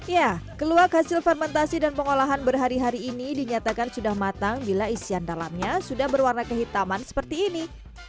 ya keluak hasil fermentasi dan pengolahan berhari hari ini dinyatakan sudah matang bila isian dalamnya sudah berwarna kehitaman seperti ini